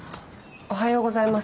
おはようございます。